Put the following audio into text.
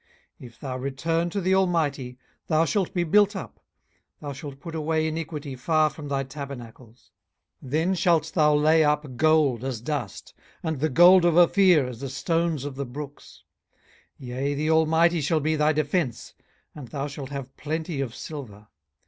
18:022:023 If thou return to the Almighty, thou shalt be built up, thou shalt put away iniquity far from thy tabernacles. 18:022:024 Then shalt thou lay up gold as dust, and the gold of Ophir as the stones of the brooks. 18:022:025 Yea, the Almighty shall be thy defence, and thou shalt have plenty of silver.